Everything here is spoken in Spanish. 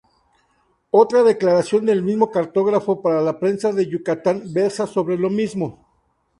Otra declaración del mismo cartógrafo, para la prensa de Yucatán, versa sobre lo mismo.